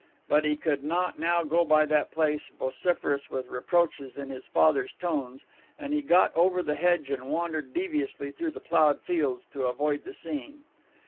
But he could not now go by that place, vociferous with reproaches in his father's tones; and he got over the hedge and wandered deviously through the ploughed fields to avoid the scene.